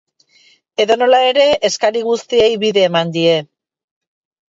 Edonola ere, eskari guztiei bide eman die.